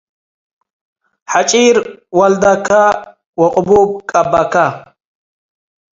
. ሐጪር ወለደከ ወቅቡብ ቀበከ